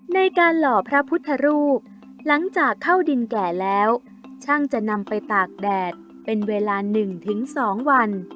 ในการหล่อพระพุทธรูปหลังจากเข้าดินแก่แล้วช่างจะนำไปตากแดดเป็นเวลาหนึ่งถึงสองวัน